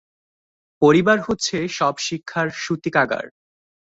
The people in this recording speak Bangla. পরিবার হচ্ছে সব শিক্ষার সূতিকাগার।